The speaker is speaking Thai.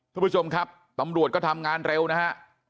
ทุกผู้ชมครับตำรวจก็ทำงานเร็วนะฮะ